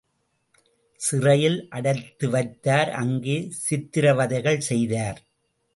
சிறையில் அடைத்துவைத்தார் அங்கே சித்ரவதைகள் செய்தார்.